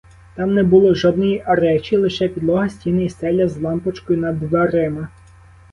Там не було жодної речі, лише підлога, стіни і стеля з лампочкою над дверима.